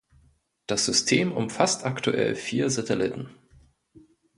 Das System umfasst aktuell vier Satelliten.